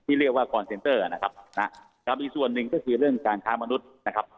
เรียกว่าคอนเซนเตอร์นะครับอีกส่วนหนึ่งก็คือเรื่องการค้ามนุษย์นะครับ